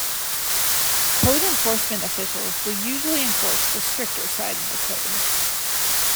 Code enforcement officials will usually enforce the stricter side of the code.